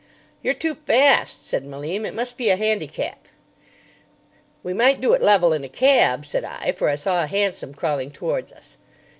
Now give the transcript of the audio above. "You're too fast," said Malim; "it must be a handicap." "We might do it level in a cab," said I, for I saw a hansom crawling towards us.